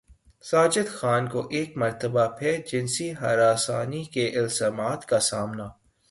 ساجد خان کو ایک مرتبہ پھر جنسی ہراسانی کے الزامات کا سامنا